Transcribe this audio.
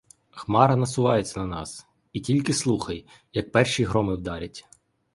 Хмара насувається на нас, і тільки слухай, як перші громи вдарять.